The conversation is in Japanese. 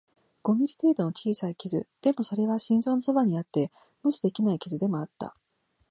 五ミリ程度の小さい傷、でも、それは心臓のそばにあって無視できない傷でもあった